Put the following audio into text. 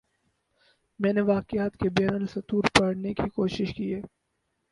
میں نے واقعات کے بین السطور پڑھنے کی کوشش کی ہے۔